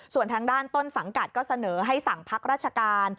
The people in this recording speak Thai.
ส่วนทางด้านต้นสังกัดก็เสนอให้สั่งพักราชการ